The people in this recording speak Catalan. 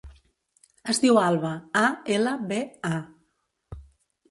Es diu Alba: a, ela, be, a.